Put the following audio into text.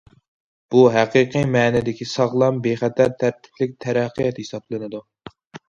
بۇ، ھەقىقىي مەنىدىكى ساغلام، بىخەتەر، تەرتىپلىك تەرەققىيات ھېسابلىنىدۇ.